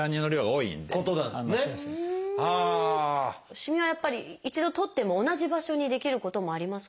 しみはやっぱり一度取っても同じ場所に出来ることもありますか？